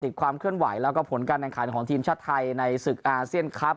ความเคลื่อนไหวแล้วก็ผลการแข่งขันของทีมชาติไทยในศึกอาเซียนคลับ